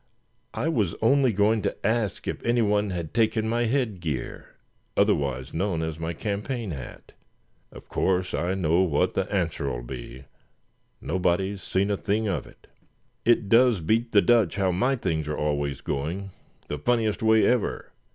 "I was only going to ask if any one had taken my head gear, otherwise known as my campaign hat? Of course I know what the answer'll be nobody's seen a thing of it. It does beat the Dutch how my things are always going, the funniest way ever.